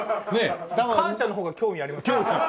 母ちゃんの方が興味ありますよね？